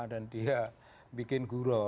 dan dia bikin guru